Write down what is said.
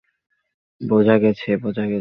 বোঝা গেছে, বোঝা গেছে।